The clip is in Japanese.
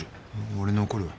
俺残るわ。